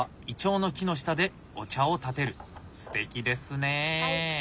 すてきですね。